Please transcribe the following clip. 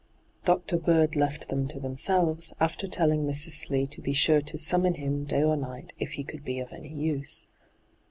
Dr. Bird lefb them to themselves, after telling Mrs. Slee to be sure to ' summon him, night or day, if he could be of any use.'